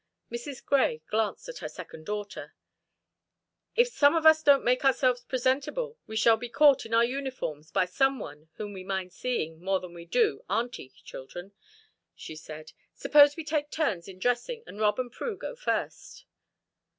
Mrs. Grey glanced at her second daughter. "If some of us don't make ourselves presentable we shall be caught in our uniforms by someone whom we mind seeing more than we do aunty, children," she said. "Suppose we take turns in dressing, and Rob and Prue go first?"